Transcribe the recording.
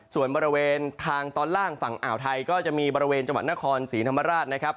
ส่วนบริเวณทางตอนล่างฝั่งอ่าวไทยก็จะมีบริเวณจังหวัดนครศรีธรรมราชนะครับ